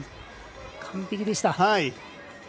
完璧でした。